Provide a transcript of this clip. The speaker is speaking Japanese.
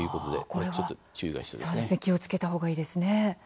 これは気をつけたほうがいいですね。